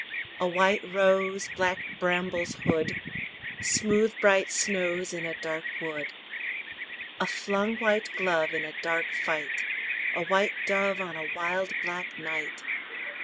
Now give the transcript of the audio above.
A white rose Black brambles hood; Smooth bright snows In a dark wood. A flung white glove In a dark fight; A white dove On a wild black night.